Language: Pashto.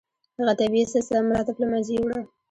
هغه طبیعي سلسله مراتب له منځه یووړه.